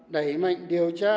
đẩy mạnh điều tra